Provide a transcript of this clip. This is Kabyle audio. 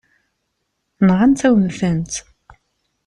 Nɣant-awen-tent.